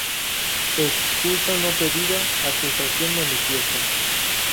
Excusa no pedida, acusación manifiesta